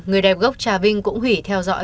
người đẹp gốc trà vinh cũng hủy theo dõi